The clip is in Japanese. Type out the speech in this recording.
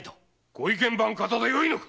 御意見番方でよいのか？